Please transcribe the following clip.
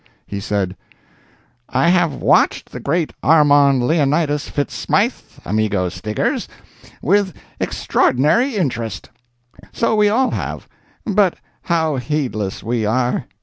He said: "I have watched the great Armand Leonidas Fitz Smythe Amigo Stiggers with extraordinary interest. So we all have—but how heedless we are!